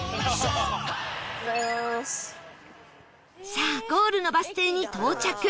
さあゴールのバス停に到着